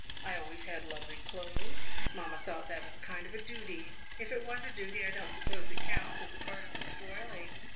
I always had lovely clothes; mamma thought that was a kind of a duty. If it was a duty, I don't suppose it counts as a part of the spoiling.